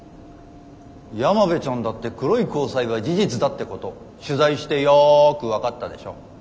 山辺ちゃんだって黒い交際は事実だってこと取材してよく分かったでしょ。